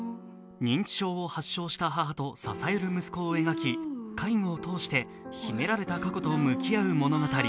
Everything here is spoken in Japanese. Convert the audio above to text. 認知症を発症した母と支える息子を描き介護を通して秘められた過去と向き合う物語。